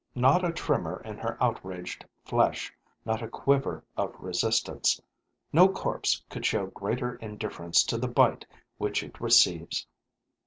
Not a tremor in her outraged flesh, not a quiver of resistance. No corpse could show greater indifference to the bite which it receives.